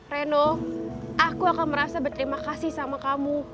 reno aku akan merasa berterima kasih sama kamu